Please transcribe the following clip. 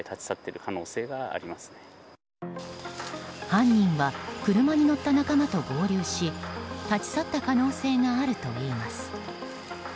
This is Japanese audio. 犯人は車に乗った仲間と合流し立ち去った可能性があるといいます。